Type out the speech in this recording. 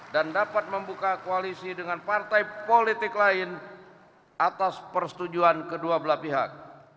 dan dapat membuka koalisi dengan partai politik lain atas persetujuan kedua belah pihak